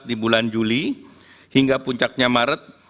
di bulan juli hingga puncaknya maret